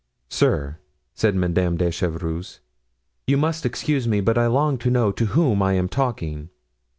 "Sir," said Madame de Chevreuse, "you must excuse me, but I long to know to whom I am talking.